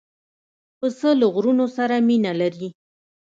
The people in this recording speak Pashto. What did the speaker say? پسه له غرونو سره مینه لري.